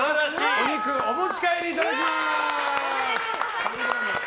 お肉、お持ち帰りいただきます。